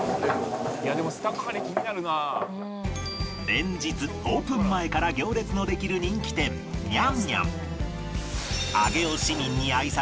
連日オープン前から行列のできる人気店娘娘